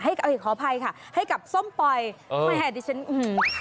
ให้โอเคขออภัยค่ะให้กับส้มปล่อยเออไม่แห่ดดิฉันอืม